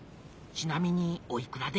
ちなみにおいくらで？